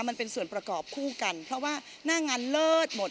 มันเป็นส่วนประกอบคู่กันเพราะว่าหน้างานเลิศหมด